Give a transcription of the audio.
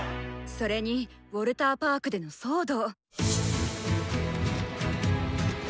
それにウォルターパークでの騒動。